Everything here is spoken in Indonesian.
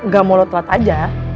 ga mau lo telat aja